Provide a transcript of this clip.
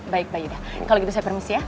baik pak yuda kalau itu saya permisi ya